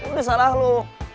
udah salah lo